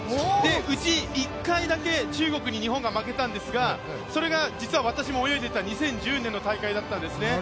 うち１回だけ中国に日本が負けたんですが、それが実は私も泳いでいた２０１０年の戦いだったんですね。